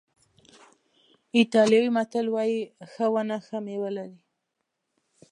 ایټالوي متل وایي ښه ونه ښه میوه لري.